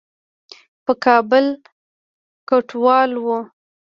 د کابل کوټوال وو.